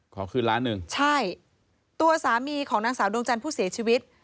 ขอคืนล้านหนึ่งใช่ตัวสามีของนางสาวดวงจันทร์ผู้เสียชีวิต